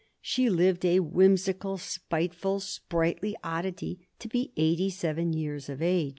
She lived, a whimsical, spiteful, sprightly oddity, to be eighty seven years of age.